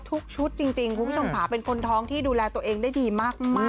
ชุดจริงคุณผู้ชมค่ะเป็นคนท้องที่ดูแลตัวเองได้ดีมาก